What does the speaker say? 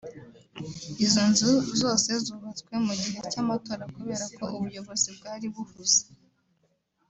Izo nzu zose zubatswe mu gihe cy’amatora kubera ko ubuyobozi bwari buhuze